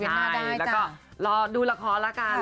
แล้วก็รอดูละครละกัน